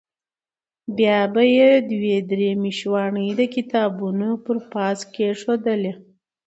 بیا به یې دوې درې مشواڼۍ د کتابونو پر پاسه کېښودلې.